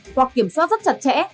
hoặc kiểm soát rất chặt chẽ